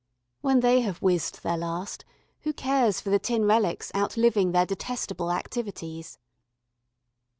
When they have whizzed their last, who cares for the tin relics outliving their detestable activities?